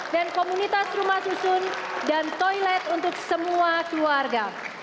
dan komunitas rumah susun dan toilet untuk semua keluarga